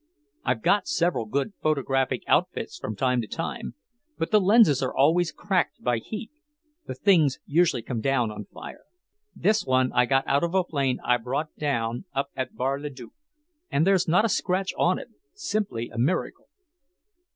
I've got several good photographic outfits from time to time, but the lenses are always cracked by heat, the things usually come down on fire. This one I got out of a plane I brought down up at Bar le Duc, and there's not a scratch on it; simply a miracle."